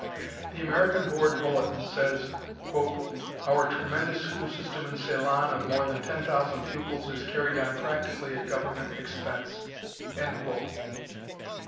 The American Board Bulletin says, "Our tremendous school system in Ceylon of more than ten thousand pupils is carried on practically at government expense."